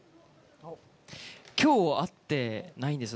きょう会ってないんですよ。